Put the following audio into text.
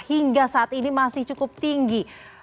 hingga saat ini masih cukup tinggi